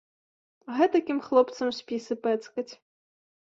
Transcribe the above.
Гэтакім хлопцам спісы пэцкаць.